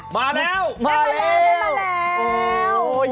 มาแล้วมาแล้วได้มาแล้ว